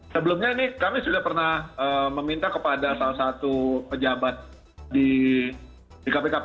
sebelumnya ini kami sudah pernah meminta kepada salah satu pejabat di kpk